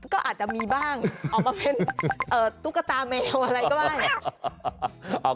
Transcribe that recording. ก็อาจจะมีบ้างออกมาเป็นตุ๊กตาแมวอะไรก็ได้